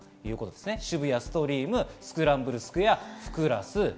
渋谷ストリーム、スクランブルスクエア、フクラス。